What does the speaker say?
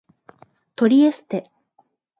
トリエステ